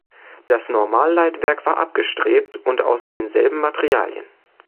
Das Normalleitwerk war abgestrebt und aus denselben Materialien.